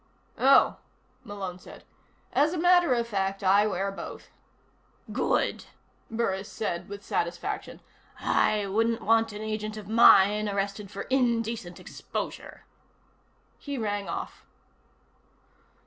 "Oh," Malone said. "As a matter of fact, I wear both." "Good," Burris said with satisfaction. "I wouldn't want an agent of mine arrested for indecent exposure." He rang off.